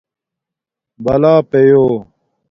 بلا پیو